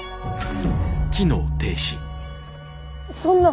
そんな！